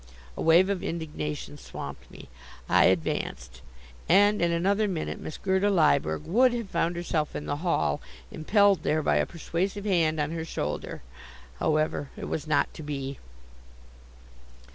A wave of indignation swamped me. I advanced, and in another minute Miss Gerda Lyberg would have found herself in the hall, impelled there by a persuasive hand upon her shoulder. However, it was not to be.